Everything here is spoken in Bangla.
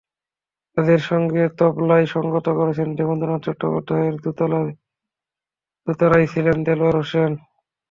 তাঁদের সঙ্গে তবলায় সংগত করেছেন দেবেন্দ্রনাথ চট্টোপাধ্যায়, দোতারায় ছিলেন দেলোয়ার হোসেন।